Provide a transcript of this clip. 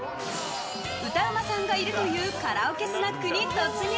歌うまさんがいるというカラオケスナックに突入！